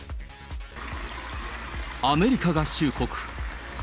アメリカ合衆国。